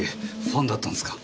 ファンだったんすか？